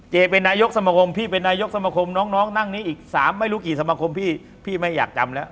เป็นนายกสมคมพี่เป็นนายกสมคมน้องนั่งนี้อีก๓ไม่รู้กี่สมาคมพี่พี่ไม่อยากจำแล้ว